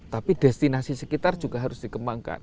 tapi destinasi sekitar juga harus dikembangkan